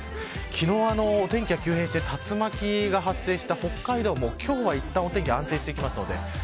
昨日、天気が急変して竜巻が発生した北海道も今日はいったんお天気が安定します。